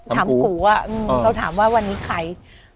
ถามกูอ่ะเราถามว่าวันนี้ใคร